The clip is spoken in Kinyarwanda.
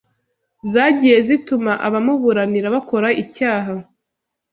zagiye zituma abamuburanira bakora icyaha